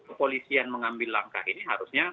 kepolisian mengambil langkah ini harusnya